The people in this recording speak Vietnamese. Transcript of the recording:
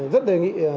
rất đề nghị